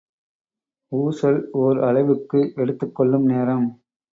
ஊசல் ஒர் அலைவுக்கு எடுத்துக் கொள்ளும் நேரம்.